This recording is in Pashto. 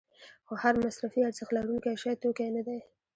خو هر مصرفي ارزښت لرونکی شی توکی نه دی.